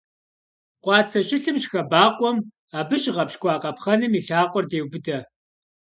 Къуацэ щылъым щыхэбакъуэм, абы щыгъэпщкӀуа къапхъэным и лъакъуэр деубыдэ.